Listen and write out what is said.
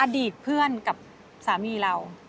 อดีตเพื่อนกับสามีเรา